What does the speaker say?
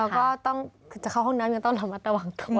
แล้วก็ต้องจะเข้าห้องน้ำยังต้องระมัดระวังตัว